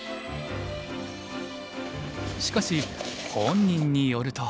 しかし本人によると。